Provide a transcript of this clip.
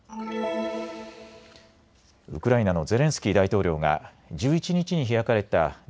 ウクライナのゼレンスキー大統領が１１日に開かれたＧ７・